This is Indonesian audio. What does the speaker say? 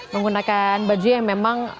menggunakan baju yang memang